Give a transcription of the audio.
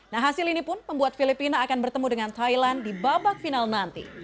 nah hasil ini pun membuat filipina akan bertemu dengan thailand di babak final nanti